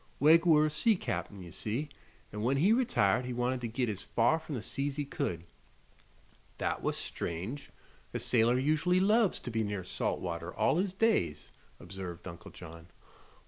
Wegg were a sea cap'n, ye see, an' when he retired he Wanted to git as far from the sea's he could." "That was strange. A sailor usually loves to be near salt water all his days," observed Uncle John.